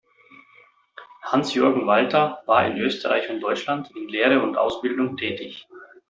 Hans-Jürgen Walter war in Österreich und Deutschland in Lehre und Ausbildung tätig.